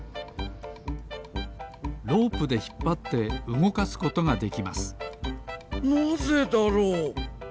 ロープでひっぱってうごかすことができますなぜだろう？